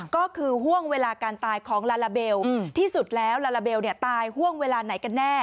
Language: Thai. ก็คือห่วงเวลาการตายของลาลาเบลที่สุดแล้วลาลาเบลตายห่วงเวลาไหนกันแน่